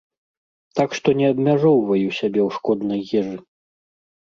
Так што не абмяжоўваю сябе ў шкоднай ежы.